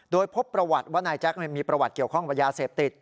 โดยพบประวัติว่านายแจ๊คมีประวัติเกี่ยวข้องกับยาเสพติด